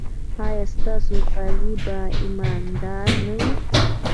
ایا ستاسو قاضي به ایماندار نه وي؟